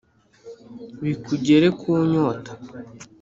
bikugere ku nyota